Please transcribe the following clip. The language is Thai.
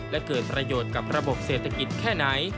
และเกิดประโยชน์กับระบบเศรษฐกิจแค่ไหน